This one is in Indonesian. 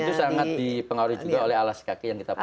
itu sangat dipengaruhi juga oleh alas kaki yang kita pakai